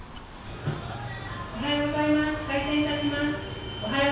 「おはようございます。